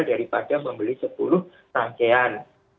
daripada membeli sepuluh rangkaian